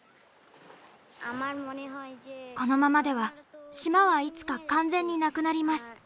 このままでは島はいつか完全になくなります。